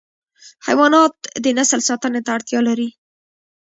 حیوانات د نسل ساتنه ته اړتیا لري.